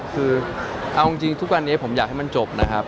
คือเอาจริงทุกวันนี้ผมอยากให้มันจบนะครับ